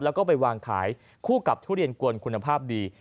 แล้วก็ไปวางขายคู่กับทุเรียนกวนคุณภาพดี